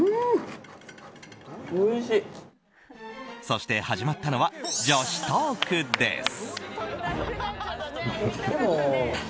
そして始まったのは女子トークです。